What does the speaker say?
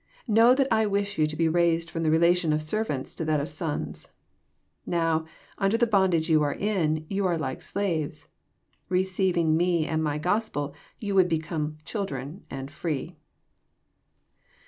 — Know that I wish you to be raised from the relation of servants to that of sons. Now, under the bondage you are in, you are like slaves. Receiving Me and My Gospel yon would become children and tree.